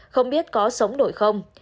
không biết có sống nổi không